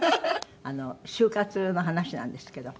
あの終活の話なんですけど。